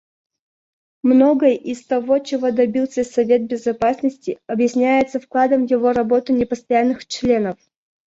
Многое из того, чего добился Совет Безопасности, объясняется вкладом в его работу непостоянных членов.